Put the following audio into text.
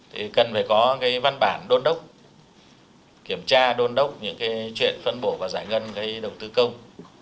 thì cần phải có cái văn bản đôn đốc kiểm tra đôn đốc những cái chuyện phân bổ và giải ngân cái đầu tư công